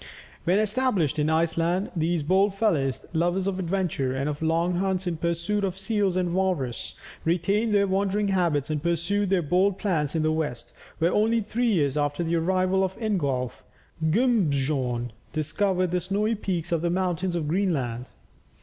When established in Iceland, these bold fellows, lovers of adventure and of long hunts in pursuit of seals and walrus, retained their wandering habits and pursued their bold plans in the west, where only three years after the arrival of Ingolf, Guunbjorn discovered the snowy peaks of the mountains of Greenland.